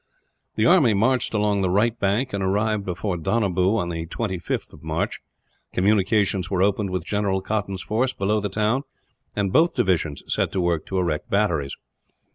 The army marched along the right bank, and arrived before Donabew on the 25th of March. Communications were opened with General Cotton's force, below the town; and both divisions set to work to erect batteries.